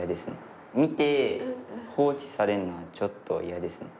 見て放置されるのはちょっと嫌ですね。